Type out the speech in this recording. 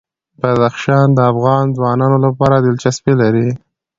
بدخشان د افغان ځوانانو لپاره دلچسپي لري.